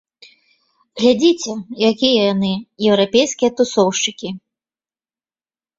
Глядзіце, якія яны, еўрапейскія тусоўшчыкі!